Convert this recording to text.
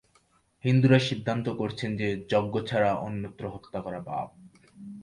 হিঁদুরা সিদ্ধান্ত করছেন যে, যজ্ঞ ছাড়া অন্যত্র হত্যা করা পাপ।